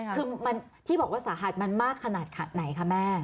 คือที่บอกว่าสาหัสมันมากขนาดไหนคะแม่